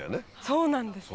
そうなんです。